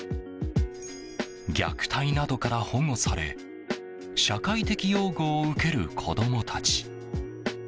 虐待などから保護され社会的養護を受ける子供たち。